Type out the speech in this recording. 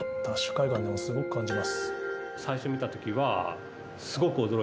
海岸でもすごく感じます。